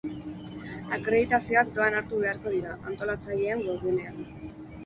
Akreditazioak doan hartu beharko dira, antolatzaileen webgunean.